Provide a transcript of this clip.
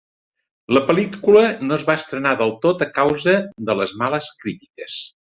La pel·lícula no es va estrenar del tot a causa de les males crítiques.